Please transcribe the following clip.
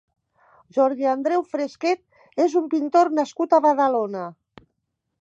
Jordi Andreu Fresquet és un pintor nascut a Badalona.